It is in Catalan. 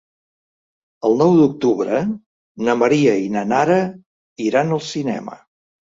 El nou d'octubre na Maria i na Nara iran al cinema.